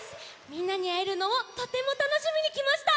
みんなにあえるのをとてもたのしみにきました！